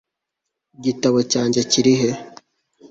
igitabo cyanjye kiri he